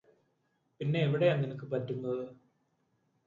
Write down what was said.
പിന്നെ എവിടെയാ നിനക്ക് പറ്റുന്നത്